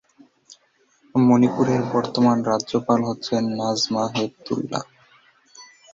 মণিপুরের বর্তমান রাজ্যপাল হচ্ছেন নাজমা হেপতুল্লা।